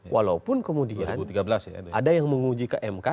walaupun kemudian ada yang menguji ke mk